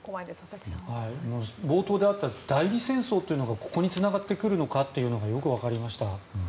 冒頭であった代理戦争というのがここにつながってくるのかとよく分かりました。